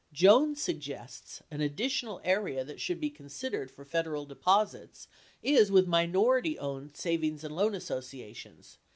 Jones suggests an additional area that should be considered for federal deposits is with minority owned Savings and Loan Associations!